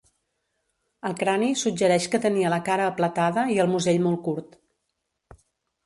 El crani suggereix que tenia la cara aplatada i el musell molt curt.